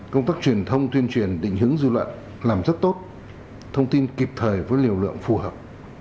công tác truyền thông tuyên truyền định hướng dư luận làm rất tốt thông tin kịp thời với liều lượng phù hợp